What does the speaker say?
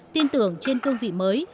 tin tưởng trên cương vị mới